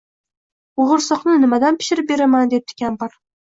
Bo’g’irsoqni nimadan pishirib beraman? — debdi kampir